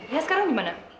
ya sekarang gimana